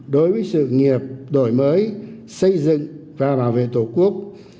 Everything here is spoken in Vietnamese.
đối với sự nghiệp đổi mới xây dựng và bảo vệ tổ quốc